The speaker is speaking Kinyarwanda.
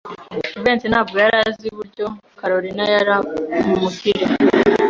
Jivency ntabwo yari azi uburyo Kalorina yari umukire.